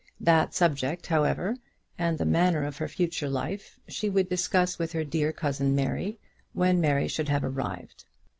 That subject, however, and the manner of her future life, she would discuss with her dear cousin Mary, when Mary should have arrived.